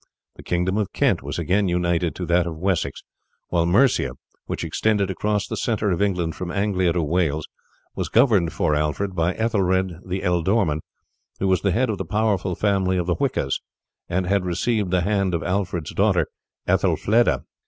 The kingdom of Kent was again united to that of Wessex; while Mercia, which extended across the centre of England from Anglia to Wales, was governed for Alfred by Ethelred the Ealdorman, who was the head of the powerful family of the Hwiccas, and had received the hand of Alfred's daughter Ethelfleda.